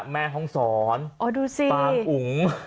แม่ห้องซ้อนปางอุ๋ง